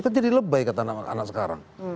kan jadi lebay kata anak sekarang